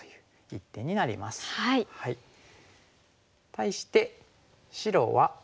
対して白は。